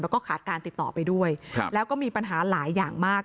แล้วก็ขาดการติดต่อไปด้วยแล้วก็มีปัญหาหลายอย่างมาก